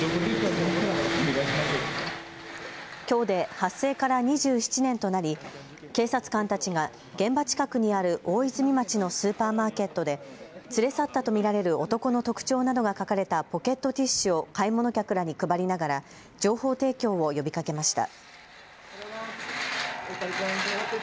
きょうで発生から２７年となり警察官たちが現場近くにある大泉町のスーパーマーケットで連れ去ったと見られる男の特徴などが書かれたポケットティッシュを買い物客らに配りながら情報提供を呼びかけました。